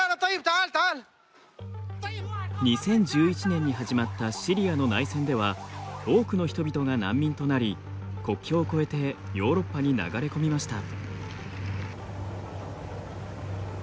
２０１１年に始まったシリアの内戦では多くの人々が難民となり国境を越えてヨーロッパに流れ込みました。